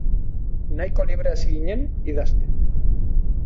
Nahiko libre hasi ginen idazten.